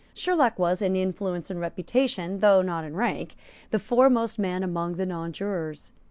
Sherlock was, in influence and reputation, though not in rank, the foremost man among the nonjurors.